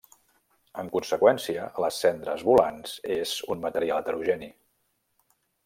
En conseqüència, les cendres volants és un material heterogeni.